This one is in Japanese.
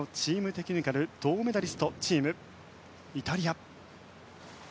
テクニカル銅メダリストチームイタリア。